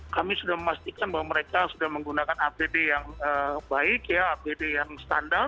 kami sudah memastikan bahwa mereka sudah menggunakan apd yang baik apd yang standar